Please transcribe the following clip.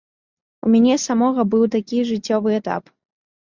У мяне самога быў такі жыццёвы этап.